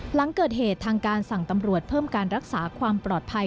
หลังเกิดเหตุทางการสั่งตำรวจเพิ่มการรักษาความปลอดภัย